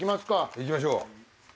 行きましょう。